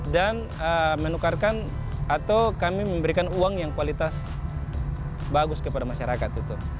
dan kami memberikan uang yang kualitas bagus kepada masyarakat